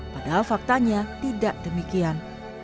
padahal faktanya tidak demikian